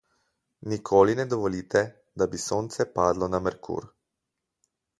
Nikoli ne dovolite, da bi sonce padlo na Merkur.